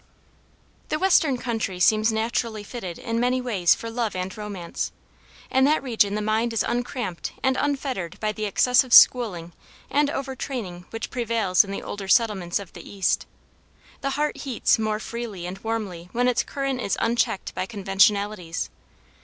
The western country seems naturally fitted in many ways for love and romance. In that region the mind is uncramped and unfettered by the excessive schooling and over training which prevails in the older settlements of the East. The heart heats more freely and warmly when its current is unchecked by conventionalities.